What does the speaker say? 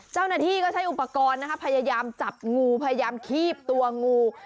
เจ้าหน้าที่ก็ใช้อุปกรณ์นะคะพยายามจับงูพยายามคีบตัวงู